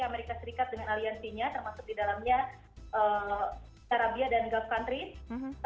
amerika serikat dengan aliansinya termasuk di dalamnya arabia dan gulf countries